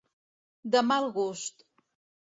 De mal gust.